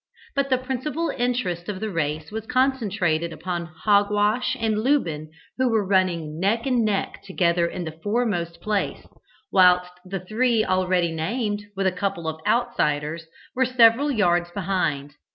But the principal interest of the race was concentrated upon Hogwash and Lubin, who were running neck and neck together in the foremost place, whilst the three already named, with a couple of "outsiders" were several yards behind.